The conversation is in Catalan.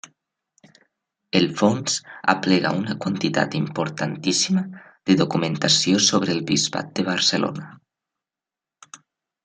El fons aplega una quantitat importantíssima de documentació sobre el bisbat de Barcelona.